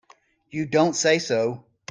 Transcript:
You don't say so!